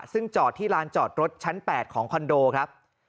ซึ่งจอดที่ลานจอดรถชั้น๘ของคอนโดครับ